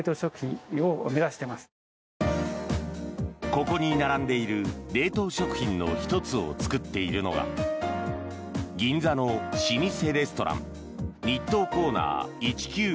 ここに並んでいる冷凍食品の１つを作っているのが銀座の老舗レストラン日東コーナー１９４８５